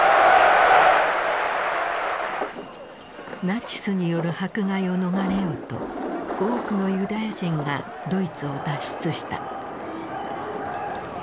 ナチスによる迫害を逃れようと多くのユダヤ人がドイツを脱出した。